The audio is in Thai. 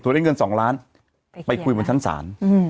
ได้เงิน๒ล้านไปคุยบนชั้นศาล